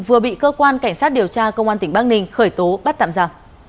vừa bị cơ quan cảnh sát điều tra công an tỉnh bắc ninh khởi tố bắt tạm giả